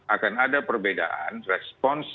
akan ada perbedaan respons